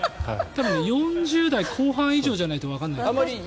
多分４０代後半じゃないとわからない。